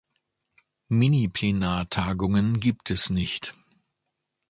Miniplenartagungen gibt es nicht.